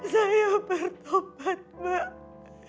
saya bertobat mbak